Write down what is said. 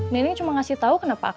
nini cuma ngasih tau kenapa akang marah